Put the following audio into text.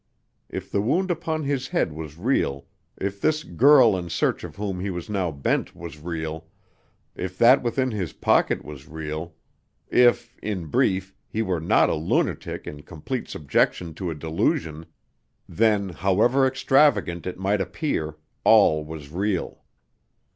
If the wound upon his head was real, if this girl in search of whom he was now bent was real, if that within his pocket was real if, in brief, he were not a lunatic in complete subjection to a delusion then, however extravagant it might appear, all was real.